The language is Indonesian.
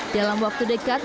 dalam waktu dekat